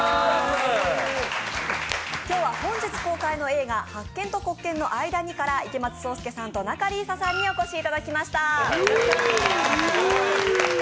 今日は本日公開の映画「白鍵と黒鍵の間に」から池松壮亮さんと仲里依紗さんにお越しいただきました。